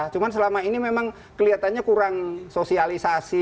cuma selama ini memang kelihatannya kurang sosialisasi